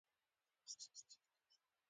باچا وویل ښه دی.